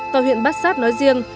còn huyện bát sát nói riêng